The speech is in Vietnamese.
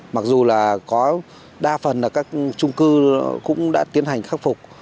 mặc dù là có đa phần là các trung cư cũng đã tiến hành khắc phục